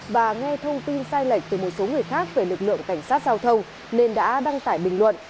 và nghe thông tin sai lệch từ một số người khác về lực lượng cảnh sát giao thông nên đã đăng tải bình luận